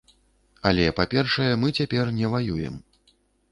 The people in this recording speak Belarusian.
Але, па-першае, мы цяпер не ваюем.